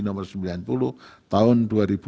nomor sembilan puluh tahun dua ribu dua puluh